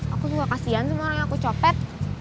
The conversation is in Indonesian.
aku suka kasian semua yang aku copet